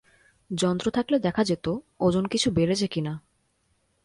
যন্ত্র থাকলে দেখা যেত, ওজন কিছু বেড়েছে কি না।